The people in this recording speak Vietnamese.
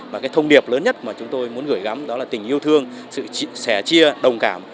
và cái thông điệp lớn nhất mà chúng tôi muốn gửi gắm đó là tình yêu thương sự sẻ chia đồng cảm